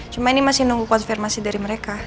cuma ini masih nunggu konfirmasi dari mereka